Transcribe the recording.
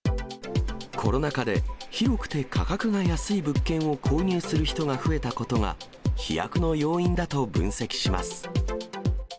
コロナ禍で、広くて価格が安い物件を購入する人が増えたことが、飛躍の要因だと分析します。